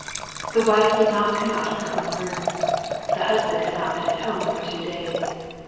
The wife did not leave her own room, the husband had not been at home for three days.